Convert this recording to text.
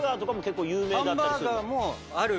ハンバーガーもある。